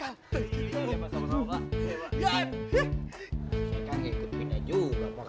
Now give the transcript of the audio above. ya ya pak oke pak